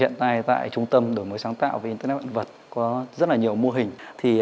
hiện tại tại trung tâm đổi mới sáng tạo về internet vạn vật có rất là nhiều mô hình